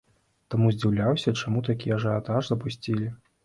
Таму здзіўляюся, чаму такі ажыятаж запусцілі.